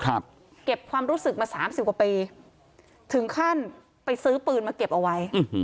เก็บความรู้สึกมาสามสิบกว่าปีถึงขั้นไปซื้อปืนมาเก็บเอาไว้